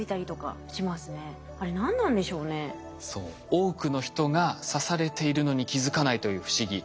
多くの人が刺されているのに気付かないという不思議。